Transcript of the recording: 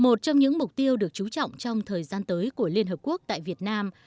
một trong những mục tiêu được trú trọng trong thời gian tới của liên hợp quốc tại việt nam